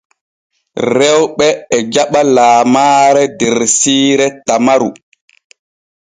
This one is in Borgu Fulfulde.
Rewɓe e jaɓa lamaare der siire Tamaru.